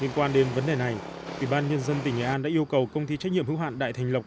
liên quan đến vấn đề này ủy ban nhân dân tỉnh nghệ an đã yêu cầu công ty trách nhiệm hữu hạn đại thành lộc